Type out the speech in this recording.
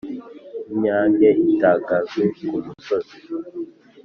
inyange itangaza ku musozi